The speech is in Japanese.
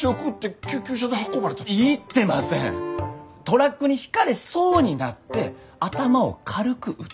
トラックにひかれそうになって頭を軽く打ったって。